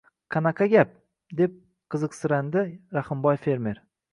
– Qanaqa gap? – deb qiziqsirandi Rahimboy fermer